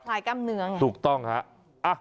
คลายกล้ามเนื้อเหมือนกันถูกต้องครับ